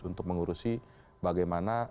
untuk mengurusi bagaimana